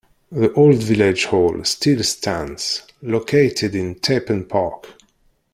The old Village Hall still stands, located in Tappen Park.